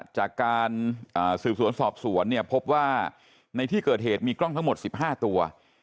จากการสืบสวนสอบสวนเนี่ยพบว่าในที่เกิดเหตุมีกล้องทั้งหมด๑๕ตัว